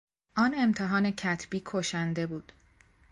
آن امتحان کتبی کشنده بود!